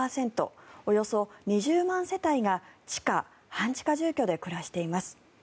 およそ２０万世帯が地下・半地下住居で暮らしています。